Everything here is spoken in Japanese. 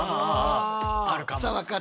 あるかも。